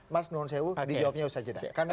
mas nuon sewu dijawabnya usaha jeda